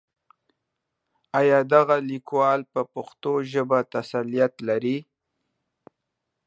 آيا دغه ليکوال په پښتو ژبه تسلط لري؟